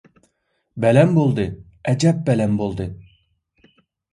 بەلەن بولدى، ئەجەپ بەلەن بولدى!